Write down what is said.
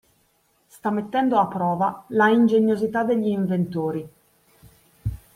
Sta mettendo a prova la ingegnosità degli inventori.